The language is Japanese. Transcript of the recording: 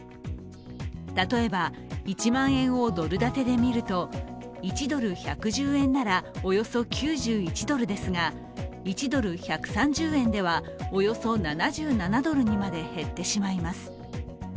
例えば１万円をドル建てで見ると１ドル＝１１０円ならおよそ９１ドルですが、１ドル＝１３０円ではおよそ７７ドルにまで減ってしまいます。